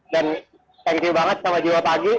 dan terima kasih banget sama jiwa pagi